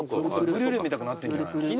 ブリュレみたくなってんじゃない？